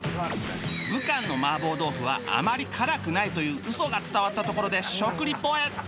武漢の麻婆豆腐はあまり辛くないというウソが伝わったところで食リポへ